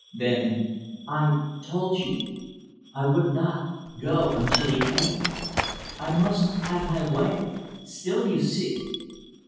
Then, "I told you I would not go until he came. I must have my way still you see.